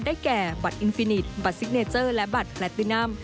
แก่บัตรอินฟินิตบัตรซิกเนเจอร์และบัตรแลตตินัม